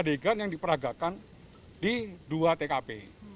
adegan yang diperagakan di dua tkp